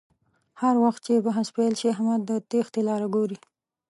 هر وخت چې بحث پیل شي احمد د تېښتې لاره گوري